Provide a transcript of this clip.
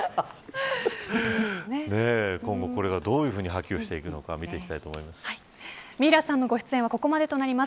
今後これがどういうふうに波及していくのか三平さんのご出演はここまでになります。